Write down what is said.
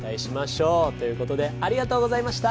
ということでありがとうございました。